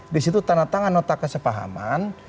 disitu tanah tangan otak kesepahaman